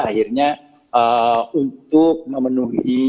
akhirnya untuk memenuhi